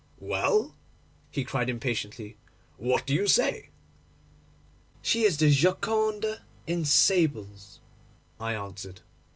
'Well,' he cried impatiently, 'what do you say?' 'She is the Gioconda in sables,' I answered.